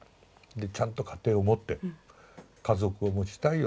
でちゃんと家庭を持って家族を持ちたいよ。